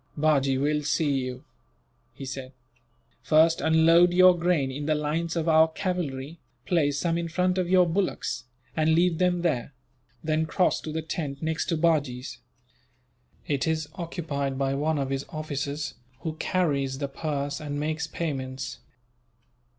"Bajee will see you," he said. "First unload your grain in the lines of our cavalry, place some in front of your bullocks, and leave them there; then cross to the tent next to Bajee's. It is occupied by one of his officers, who carries the purse and makes payments.